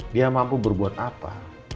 dia mampu berbuat apa